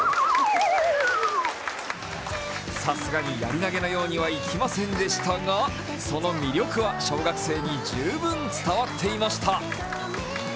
さすがにやり投げのようにはいきませんでしたが、その魅力は小学生に十分伝わっていました。